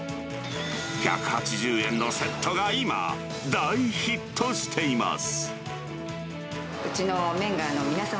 １８０円のセットが今、大ヒットしています。